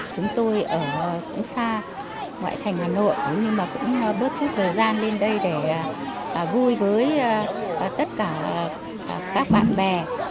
chúng tôi ở cũng xa ngoại thành hà nội nhưng mà cũng bớt chút thời gian lên đây để vui với tất cả các bạn bè